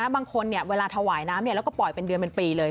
เวลาถวายน้ำแล้วก็ปล่อยเป็นเดือนเป็นปีเลย